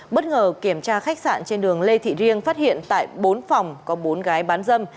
bất ngờ kiểm tra khách sạn trên đường lê thị riêng phát hiện tại bốn phòng có bốn gái bán dâm